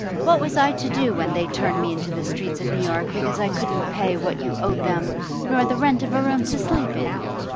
What was I to do when they turned me into the streets of New York because I couldn't pay what you owed them nor the rent of a room to sleep in?